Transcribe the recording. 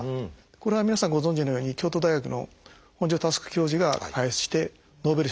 これは皆さんご存じのように京都大学の本庶佑教授が開発してノーベル賞をもらいましたね。